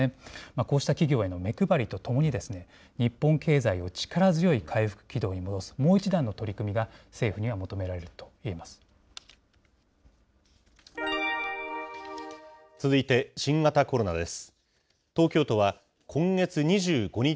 こうした企業への目配りとともに、日本経済を力強い回復軌道に戻すもう一段の取り組みが政府には求続いて新型コロナです。